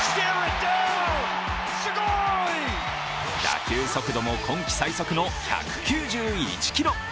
打球速度も今季最速の１９１キロ。